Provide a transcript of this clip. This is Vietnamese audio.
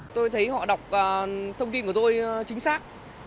tôi thấy họ đọc thông tin của tôi chính xác